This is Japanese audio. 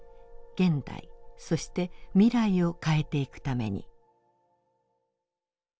現代そして未来を変えていくために。